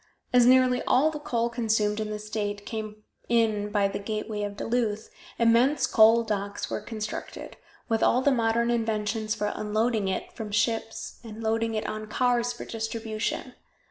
As nearly all the coal consumed in the state came in by the gateway of Duluth, immense coal docks were constructed, with all the modern inventions for unloading it from ships and loading it on cars for distribution.